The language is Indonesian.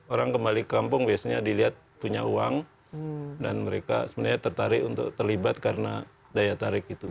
orang kembali ke kampung biasanya dilihat punya uang dan mereka sebenarnya tertarik untuk terlibat karena daya tarik itu